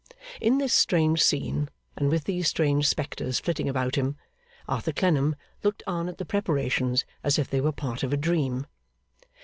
In this strange scene, and with these strange spectres flitting about him, Arthur Clennam looked on at the preparations as if they were part of a dream.